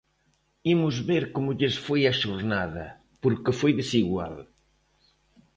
Imos ver como lles foi a xornada, porque foi desigual.